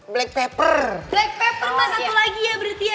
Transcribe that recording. black paper mbak satu lagi ya berarti ya